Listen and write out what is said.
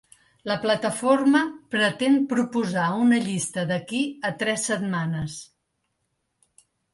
La plataforma pretén proposar una llista d’aquí a tres setmanes.